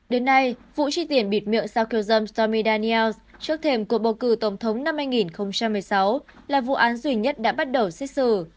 đến nay vụ tri tiền bịt miệng sau khiêu dâm stormy daniels trước thềm cuộc bầu cử tổng thống năm hai nghìn một mươi sáu là vụ án duy nhất đã bắt đầu xét xử